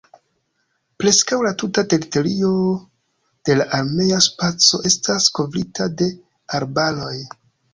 Preskaŭ la tuta teritorio de la armea spaco estas kovrita de arbaroj.